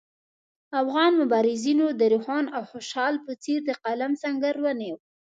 افغان مبارزینو د روښان او خوشحال په څېر د قلم سنګر ونیو.